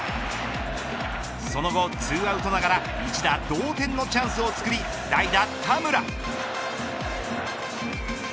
その後２アウトながら一打同点のチャンスを作り代打、田村。